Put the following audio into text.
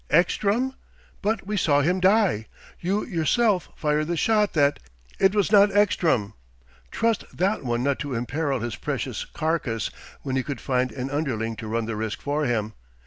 "Ekstrom? But we saw him die! You yourself fired the shot that " "It was not Ekstrom. Trust that one not to imperil his precious carcase when he could find an underling to run the risk for him!